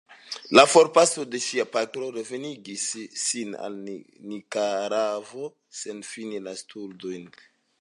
La forpaso de ŝia patro revenigis sin al Nikaragvo sen fini la studojn.